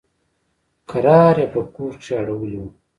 کرار يې په کور کښې اړولي وو.